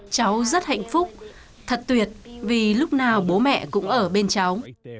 cháu rất hạnh phúc thật tuyệt vì lúc nào bố mẹ cũng ở bên cháu